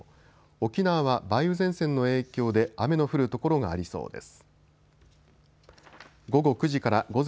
沖縄は梅雨前線の影響で雨の降る所がありそうです。